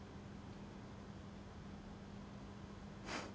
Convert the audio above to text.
フッ。